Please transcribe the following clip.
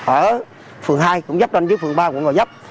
ở phường hai cũng giáp tranh với phường ba quận gò vấp